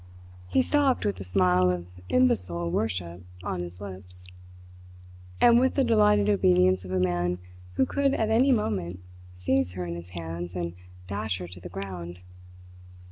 He stopped with a smile of imbecile worship on his lips, and with the delighted obedience of a man who could at any moment seize her in his hands and dash her to the ground.